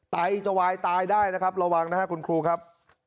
ไตจะวายตายได้นะครับระวังนะครับคุณครูครับ